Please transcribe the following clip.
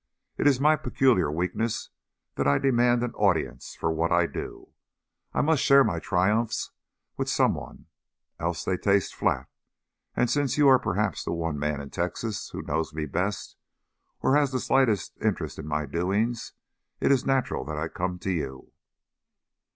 It is my peculiar weakness that I demand an audience for what I do; I must share my triumphs with some one, else they taste flat, and since you are perhaps the one man in Texas who knows me best, or has the slightest interest in my doings, it is natural that I come to you."